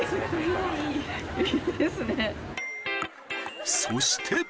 いいですね。